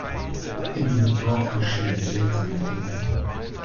In diesem Dorf geschehen seltsame Dinge!